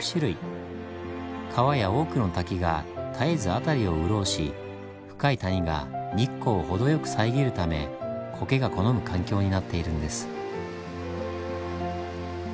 川や多くの滝が絶えず辺りを潤し深い谷が日光をほどよく遮るためコケが好む環境になっているんです。